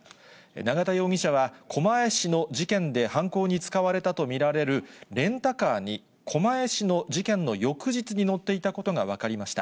永田容疑者は狛江市の事件で犯行に使われたと見られるレンタカーに、狛江市の事件の翌日に乗っていたことが分かりました。